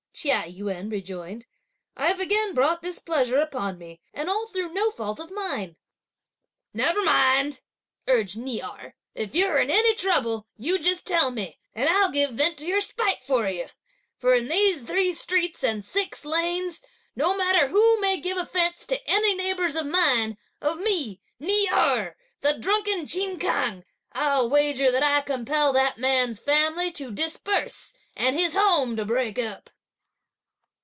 Chia Yün rejoined; "I've again brought displeasure upon me, and all through no fault of mine." "Never mind!" urged Ni Erh, "if you're in any trouble you just tell me, and I'll give vent to your spite for you; for in these three streets, and six lanes, no matter who may give offence to any neighbours of mine, of me, Ni Erh, the drunken Chin Kang, I'll wager that I compel that man's family to disperse, and his home to break up!"